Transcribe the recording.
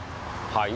はい？